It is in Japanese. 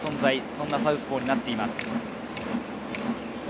そんなサウスポーになっています。